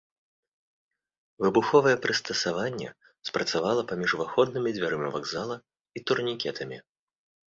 Выбуховае прыстасаванне спрацавала паміж уваходнымі дзвярыма вакзала і турнікетамі.